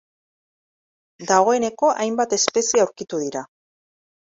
Dagoeneko hainbat espezie aurkitu dira.